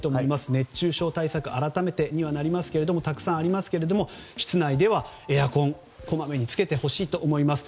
熱中症対策改めてにはなりますがたくさんありますが室内ではエアコンをこまめにつけてほしいと思います。